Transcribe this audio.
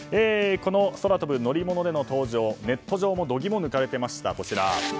この空飛ぶ乗り物での登場ネット上も度肝を抜かれていました。